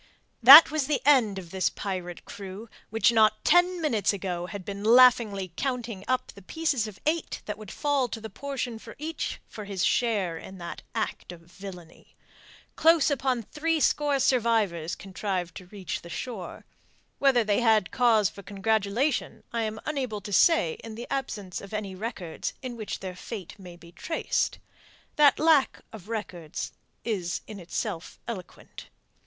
That was the end of this pirate crew, which not ten minutes ago had been laughingly counting up the pieces of eight that would fall to the portion of each for his share in that act of villainy. Close upon threescore survivors contrived to reach the shore. Whether they had cause for congratulation, I am unable to say in the absence of any records in which their fate may be traced. That lack of records is in itself eloquent.